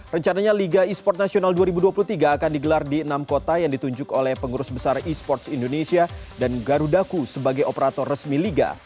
rencananya liga e sport nasional dua ribu dua puluh tiga akan digelar di enam kota yang ditunjuk oleh pengurus besar e sports indonesia dan garudaku sebagai operator resmi liga